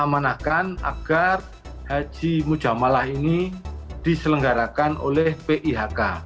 karena kita harus memanfaatkan agar haji mujamalah ini diselenggarakan oleh pihk